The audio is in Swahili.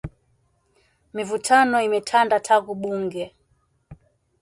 Mivutano imetanda tangu bunge